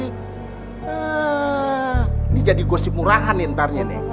ini jadi gosip murahan nih ntar